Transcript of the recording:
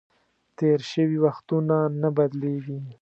تېر شوي وختونه نه بدلیږي .